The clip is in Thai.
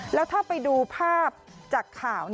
แล้วถ้าไปดูภาพจากข่าว